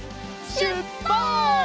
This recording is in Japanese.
しゅっぱつ！